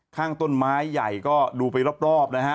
ข้างต้นไม้ใหญ่ก็ดูไปรอบนะฮะ